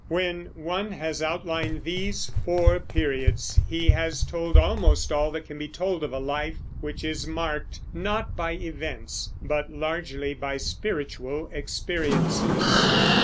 When one has outlined these four periods he has told almost all that can be told of a life which is marked, not by events, but largely by spiritual experiences.